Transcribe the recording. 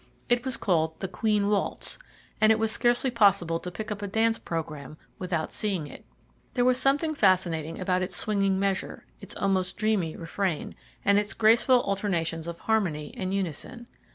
It was called the "Queen Waltz," and it was scarcely possible to pick up a dance programme without seeing it. There was something fascinating about its swinging measure, its almost dreamy refrain, and its graceful alternations of harmony and unison.